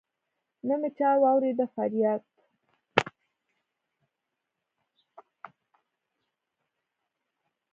نه مي چا واوريد فرياد